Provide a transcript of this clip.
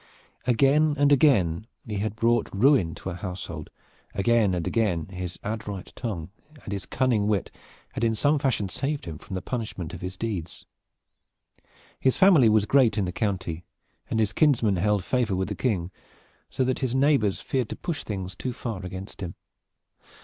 Again and again he had brought ruin to a household, again and again his adroit tongue and his cunning wit had in some fashion saved him from the punishment of his deeds. His family was great in the county, and his kinsmen held favor with the King, so that his neighbors feared to push things too far against him.